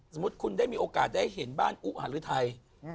สมมุติคุณได้มีโอกาสได้เห็นบ้านอุหารุทัย